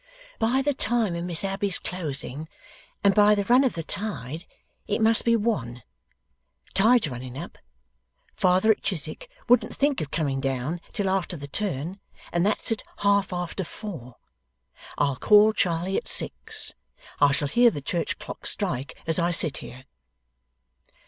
'By the time of Miss Abbey's closing, and by the run of the tide, it must be one. Tide's running up. Father at Chiswick, wouldn't think of coming down, till after the turn, and that's at half after four. I'll call Charley at six. I shall hear the church clocks strike, as I sit here.